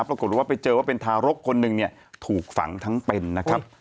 ปรากฏว่าไปเจอว่าเป็นทารกคนหนึ่งเนี่ยถูกฝังทั้งเป็นนะครับ